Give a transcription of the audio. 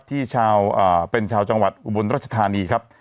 ที่เป็นชาวจังหวัดอุบลรัชธานีครับ